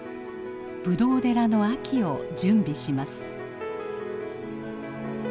ぶどう寺の秋を準備します。